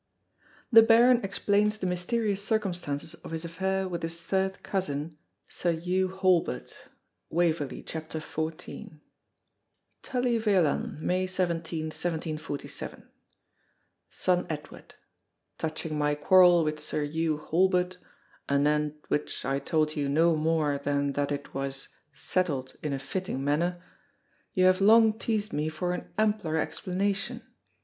The Baron explains the mysterious circumstances of his affair with his third cousin, Sir Hew Halbert.—"Waverley," chap. xiv. Tully Veolan, May 17, 1747. SON EDWARD,—Touching my quarrel with Sir Hew Halbert, anent which I told you no more than that it was "settled in a fitting manner," you have long teased me for an ampler explanation.